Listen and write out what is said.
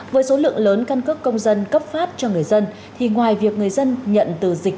với số lượng lớn căn cước công dân cấp phát cho người dân thì ngoài việc người dân nhận từ dịch